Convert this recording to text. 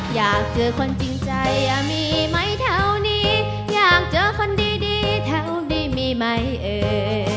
อยากเจอคนจริงใจมีไหมแถวนี้อยากเจอคนดีแถวนี้มีไหมเอ่ย